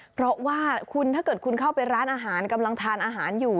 เพราะว่าคุณถ้าเกิดคุณเข้าไปร้านอาหารกำลังทานอาหารอยู่